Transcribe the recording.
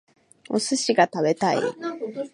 お寿司が食べたい